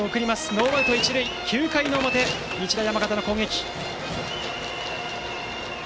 ノーアウト、一塁９回の表、日大山形の攻撃。